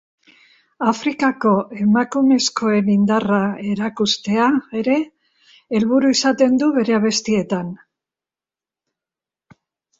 Afrikako emakumezkoen indarra erakustea ere helburu izaten du bere abestietan.